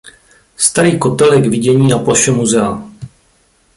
Starý kotel je k vidění na ploše muzea.